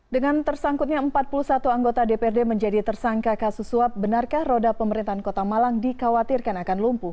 dengan tersangkutnya empat puluh satu anggota dprd menjadi tersangka kasus suap benarkah roda pemerintahan kota malang dikhawatirkan akan lumpuh